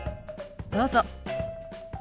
どうぞ。